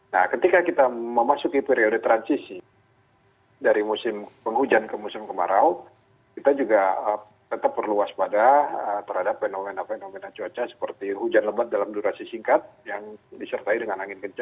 nah ketika kita memasuki periode transisi dari musim penghujan ke musim kemarau kita juga tetap perlu waspada terhadap fenomena fenomena cuaca seperti hujan lebat dalam durasi singkat yang disertai dengan angin kencang atau puting buliung itu frekuensinya akan cenderung lebih banyak